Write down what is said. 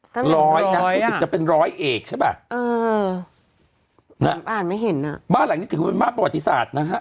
ร้อยนะรู้สึกจะเป็นร้อยเอกใช่ป่ะเออน่ะอ่านไม่เห็นอ่ะบ้านหลังนี้ถือว่าเป็นบ้านประวัติศาสตร์นะฮะ